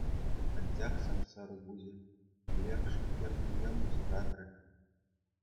Анчах сап-сарӑ куҫӗ тӳрех шиклӗх туйӑмӗ ҫуратрӗ.